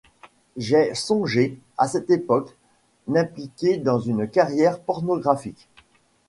J’ai songé, à cette époque, m’impliquer dans une carrière pornographique.